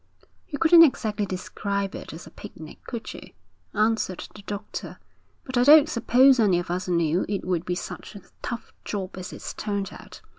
'You couldn't exactly describe it as a picnic, could you?' answered the doctor. 'But I don't suppose any of us knew it would be such a tough job as it's turned out.'